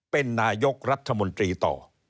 เป็นนายกรัฐมนตรีต่อ